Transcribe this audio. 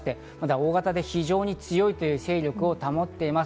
大型で非常に強いという勢力を保っています。